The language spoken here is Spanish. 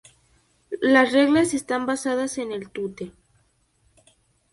Las reglas están basadas en el tute.